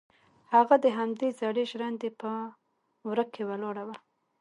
هغه د همدې زړې ژرندې په وره کې ولاړه وه.